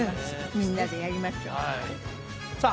みんなでやりましょうはいさあ